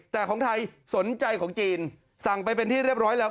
แต่ของไทยสนใจของจีนสั่งไปเป็นที่เรียบร้อยแล้ว